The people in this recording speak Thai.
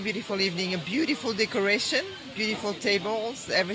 แบบความรู้สึกแฮนฟ์การทำมันเยอะ